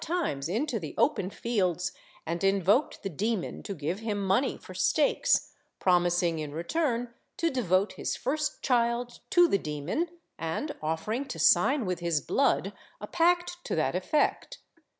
20O SORCERY AND OCCULT ARTS [Book VIII into the open fields, and invoked the demon to give him money for stakes, promising in return to devote his first child to the demon and offering to sign with his blood a pact to that effect.